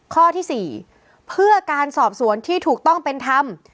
ข้อที่๔เพื่อการสอบสวนที่ถูกต้องเป็นธรรม